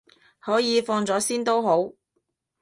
可以，放咗先都好